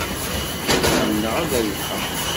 Ḥemmleɣ ad rebḥeɣ.